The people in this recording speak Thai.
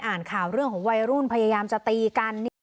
อ่านข่าวเรื่องของวัยรุ่นพยายามจะตีกัน